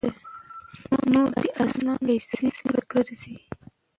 نور دې اسانو پسې ګرځي؛